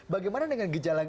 bagaimana dengan gejala